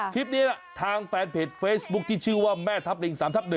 คลิปนี้ทางแฟนเพจเฟซบุ๊คที่ชื่อว่าแม่ทับลิง๓ทับ๑